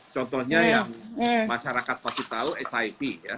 contohnya yang masyarakat pasti tahu siv